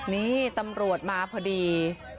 นี่ตำรวจมาพอดี